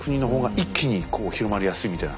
一気にこう広まりやすいみたいな。